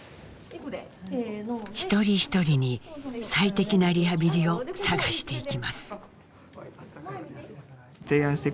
一人一人に最適なリハビリを探していきます。